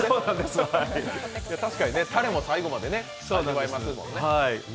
確かにたれも最後まで味わえますもんね。